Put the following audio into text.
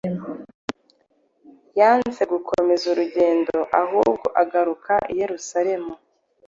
Yanze gukomeza urugendo ahubwo agaruka i Yerusalemu.